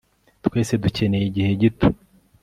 twese dukeneye igihe gito